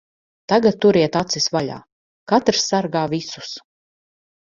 Tagad turiet acis vaļā. Katrs sargā visus.